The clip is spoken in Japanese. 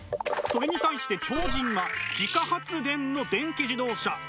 それに対して超人は自家発電の電気自動車。